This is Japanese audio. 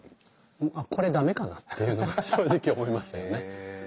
あっこれ駄目かなっていうのは正直思いましたよね。